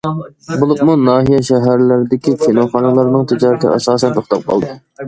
بولۇپمۇ، ناھىيە، شەھەرلەردىكى كىنوخانىلارنىڭ تىجارىتى ئاساسەن توختاپ قالدى.